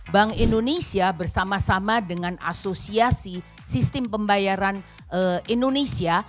bank indonesia bersama sama dengan asosiasi sistem pembayaran indonesia